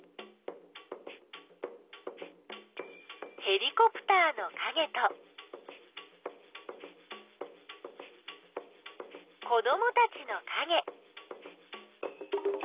ヘリコプターのかげと子どもたちのかげ。